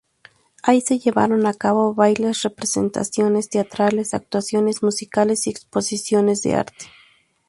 Ahí se llevaron a cabo bailes, representaciones teatrales, actuaciones musicales y exposiciones de arte.